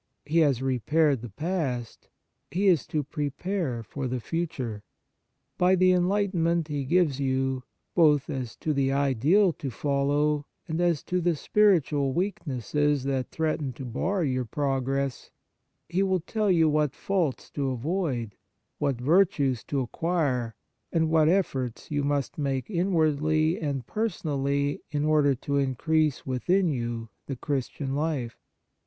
He has repaired the past ; he is to prepare for the future. By 95 On the Exercises of Piety the enlightenment he gives you, both as to the ideal to follow and as to the spiritual weaknesses that threaten to bar your progress, he will tell you what faults to avoid, what virtues to acquire, and what efforts you must make inwardly and personally in order to increase within you the Christian life.